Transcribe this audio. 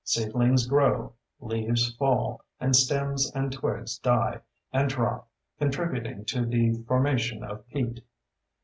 Seedlings grow, leaves fall, and stems and twigs die and drop—contributing to the formation of peat.